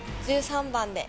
１３番で。